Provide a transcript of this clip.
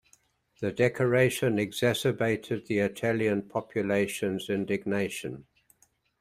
The decoration exacerbated the Italian population's indignation.